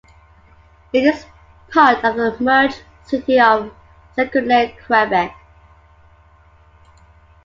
It is part of the merged city of Saguenay, Quebec.